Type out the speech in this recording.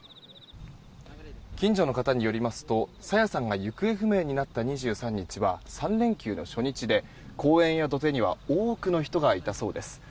近所の方によりますと朝芽さんが行方不明になった２３日は３連休の初日で公園や土手には多くの人がいたそうです。